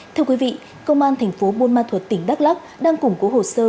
thưa quý vị công an tp buôn ma thuật tỉnh đắk lắk đang củng cố hồ sơ